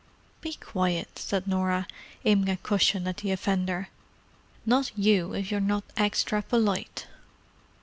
"Be quiet," said Norah, aiming a cushion at the offender. "Not you, if you're not extra polite!"